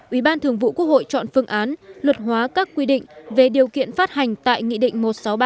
ủy ban thường vụ quốc hội chọn phương án luật hóa các quy định về điều kiện phát hành tại nghị định một trăm sáu mươi ba